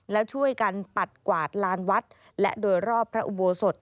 แล้วช่วยกันปัดกวาดลานวัดและโดยรอบพระอุโบสถ